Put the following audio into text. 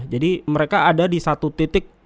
jadi mereka ada di satu titik